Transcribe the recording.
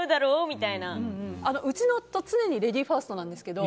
うちの夫、常にレディーファーストなんですけど